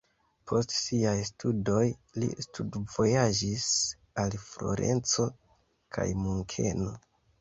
Post siaj studoj li studvojaĝis al Florenco kaj Munkeno.